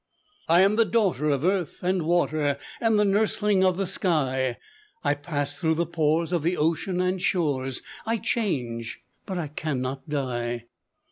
I am the daughter of earth and water, And the nursling of the sky, I pass through the pores of the ocean and shores, I change, but I can not die.